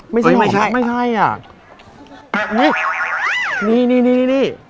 ไม่ใช่ไม่ใช่อ่ะแบบนี้นี่นี่นี่นี่